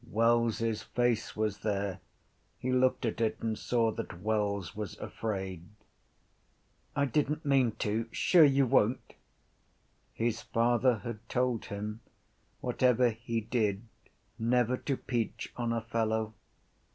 Wells’s face was there. He looked at it and saw that Wells was afraid. —I didn’t mean to. Sure you won’t? His father had told him, whatever he did, never to peach on a fellow.